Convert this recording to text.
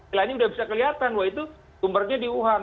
ini udah bisa kelihatan itu sumbernya di wuhan